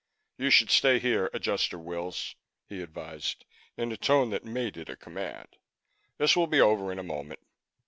"You should just stay here, Adjuster Wills," he advised in a tone that made it a command. "This will be over in a moment."